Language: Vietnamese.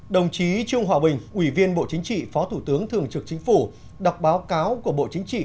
đồng chí trương hòa bình ủy viên bộ chính trị phó thủ tướng thường trực chính phủ đọc báo cáo của bộ chính trị